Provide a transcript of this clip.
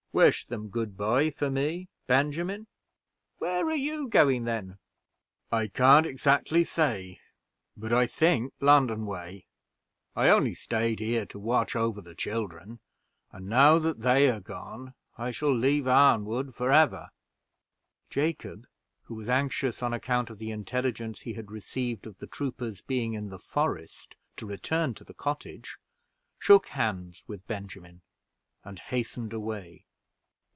"Wish them good by for me, Benjamin." "Where are you going, then?" "I can't exactly say, but I think London way. I only staid here to watch over the children; and now that they are gone, I shall leave Arnwood forever." Jacob, who was anxious, on account of the intelligence he had received of the troopers being in the forest, to return to the cottage, shook hands with Benjamin, and hastened away.